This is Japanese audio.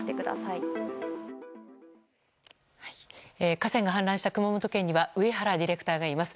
河川が氾濫した熊本県には上原ディレクターがいます。